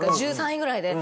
１３位ぐらいで。